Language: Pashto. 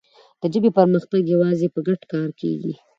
د ژبې پرمختګ یوازې په ګډ کار کېږي.